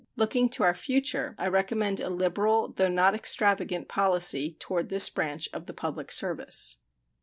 Looking to our future, I recommend a liberal, though not extravagant, policy toward this branch of the public service.